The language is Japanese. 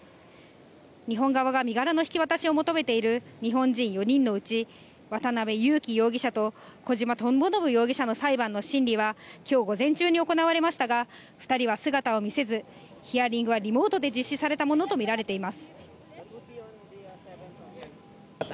日本側が身柄の引き渡しを求めている日本人４人のうち、渡辺優樹容疑者と小島智信容疑者の裁判の審理は、きょう午前中に行われましたが、２人は姿を見せず、ヒアリングはリモートで実施されたものと見られています。